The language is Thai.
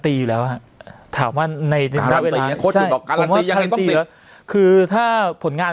ทรัพย์แล้วอ่าถามว่าในการเปลี่ยนแล้วพี่คือนะผลงาน